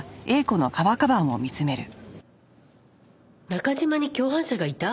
中嶋に共犯者がいた？